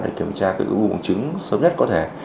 để kiểm tra cái bụng trứng sớm nhất có thể